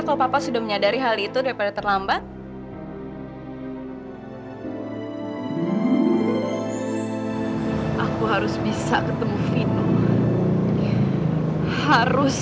sampai jumpa di video selanjutnya